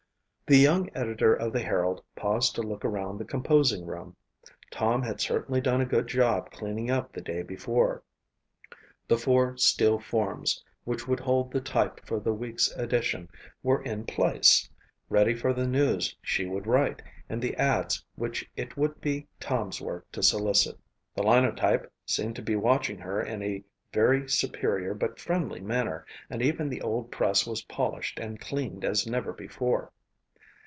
The young editor of the Herald paused to look around the composing room. Tom had certainly done a good job cleaning up the day before. The four steel forms which would hold the type for the week's edition were in place, ready for the news she would write and the ads which it would be Tom's work to solicit. The Linotype seemed to be watching her in a very superior but friendly manner and even the old press was polished and cleaned as never before.